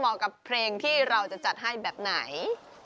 เหมาะกับเพลงที่เราจะจัดให้แบบไหน